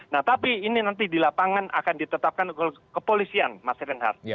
nah tapi ini nanti di lapangan akan ditetapkan kepolisian mas reinhardt